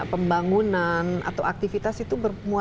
pembangunan atau aktivitas itu